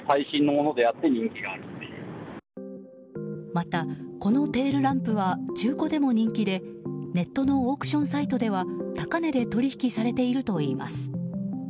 また、このテールランプは中古でも人気でネットのオークションサイトでは高値で取引されているといいます。